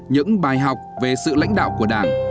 những bài học về sự lãnh đạo của đảng